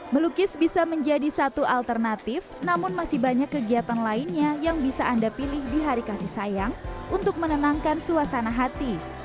melukis bisa menjadi satu alternatif namun masih banyak kegiatan lainnya yang bisa anda pilih di hari kasih sayang untuk menenangkan suasana hati